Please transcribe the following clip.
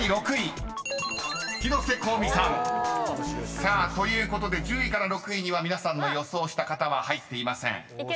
［さあということで１０位から６位には皆さんの予想した方は入っていません］